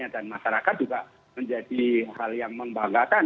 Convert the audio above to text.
dan masyarakat juga menjadi hal yang membanggakan